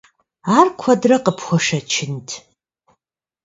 Ар куэдрэ къыпхуашэчынт?